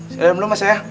sehat dulu mas ya